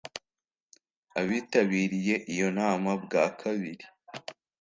abitabiriye iyo nama bwa kabiri